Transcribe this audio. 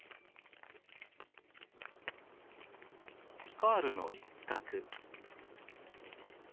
カールの一角。